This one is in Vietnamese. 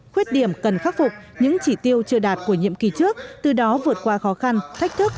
khuyết điểm cần khắc phục những chỉ tiêu chưa đạt của nhiệm kỳ trước từ đó vượt qua khó khăn thách thức